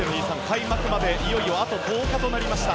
開幕までいよいよあと１０日となりました。